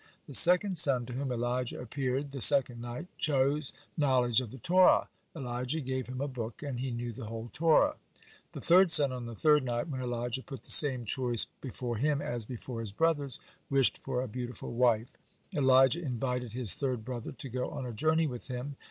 The second son, to whom Elijah appeared the second night, chose knowledge of the Torah. Elijah gave him a book, and "he knew the whole Torah." The third son, on the third night, when Elijah put the same choice before him as before his brothers, wished for a beautiful wife. Elijah invited this third brother to go on a journey with him.